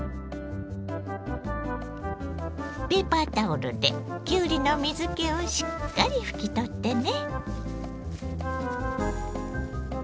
ペーパータオルできゅうりの水けをしっかり拭き取ってね。